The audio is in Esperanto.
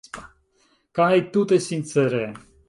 Kaj tute sincere.